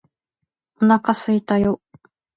お腹すいたよ！！！！！